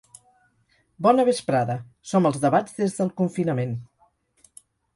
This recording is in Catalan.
Bona vesprada, som als ‘Debats des del confinament’.